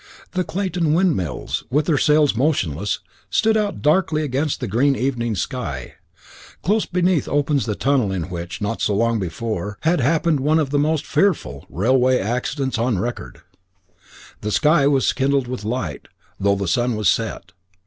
The Clayton windmills, with their sails motionless, stood out darkly against the green evening sky. Close beneath opens the tunnel in which, not so long before, had happened one of the most fearful railway accidents on record. The evening was exquisite. The sky was kindled with light, though the sun was set.